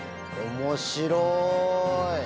面白い。